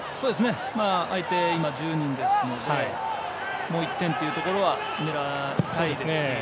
相手、今１０人ですのでもう１点というところは狙いたいです。